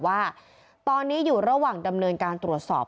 ว่าตอนนี้อยู่ระหว่างดำเนินการตรวจสอบ